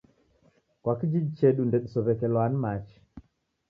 Kwa kijiji chedu ndedisow'ekelwa ni machi